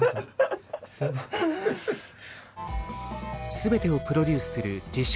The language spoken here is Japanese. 全てをプロデュースする自称